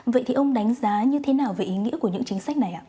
vậy thì ông đánh giá như thế nào về ý nghĩa của những chính sách này ạ